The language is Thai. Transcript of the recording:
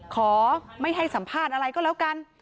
ขอไม่ให้สัมภาษณ์อะไรก็แล้วกัน